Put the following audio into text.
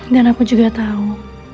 dan aku juga tau